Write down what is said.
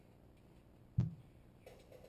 Kufikia karne ya kumi na nane